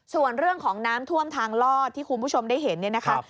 ส่วนเรื่องของน้ำท่วมทางลอดที่คุณผู้ชมได้เห็นเนี่ยนะคะ